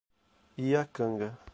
Iacanga